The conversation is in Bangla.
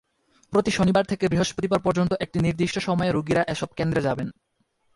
প্রতি শনিবার থেকে বৃহস্পতিবার পর্যন্ত একটি নির্দিষ্ট সময়ে রোগীরা এসব কেন্দ্রে যাবেন।